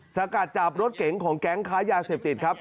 สกัดจับรถเก๋งของแก๊งค้ายาเสพติดครับ